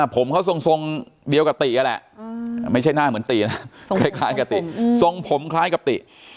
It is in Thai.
ผมเขาทรงเดียวกับตินั่นแหละไม่ใช่หน้าเหมือนตีนะคล้ายกับติทรงผมคล้ายกับติ